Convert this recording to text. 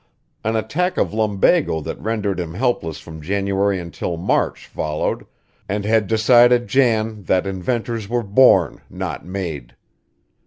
An attack of lumbago that rendered him helpless from January until March followed and had decided Jan that inventors were born, not made.